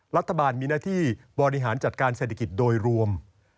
รัฐบาลมีหน้าที่บริหารจัดการเศรษฐกิจโดยรวม